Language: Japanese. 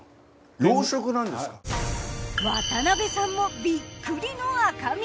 渡辺さんもビックリの赤身。